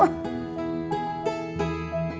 saya juga mau ncuci